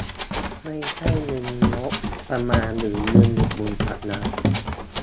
ไม่ใช่เงินงบประมาณหรือเงินอุดหนุนจากรัฐ